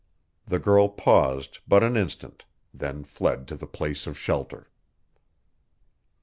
The girl paused but an instant, then fled to the place of shelter.